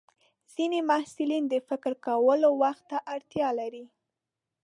ځینې محصلین د فکر کولو وخت ته اړتیا لري.